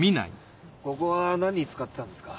ここは何に使ってたんですか？